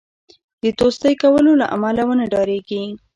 د دوستی کولو له امله ونه ډاریږي.